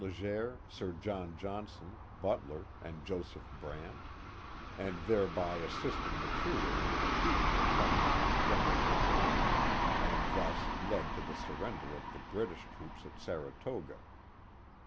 Leger, Sir John Johnson, Butler, and Joseph Brant, and thereby assisted materially in defeating the plans of Gen eral Burgoyne, and thus led to the surrender of the British troops at Saratoga.